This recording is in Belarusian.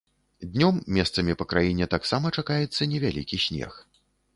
Днём месцамі па краіне таксама чакаецца невялікі снег.